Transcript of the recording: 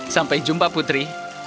sampai jumpa putri